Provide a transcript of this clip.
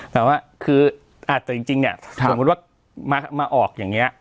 แต่ว่าคือแต่จริงเนี่ยสมมุติว่ามาออกอย่างนี้